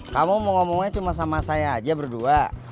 kamu mau ngomongnya cuma sama saya aja berdua